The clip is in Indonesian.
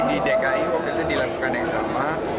di dki waktu itu dilakukan yang sama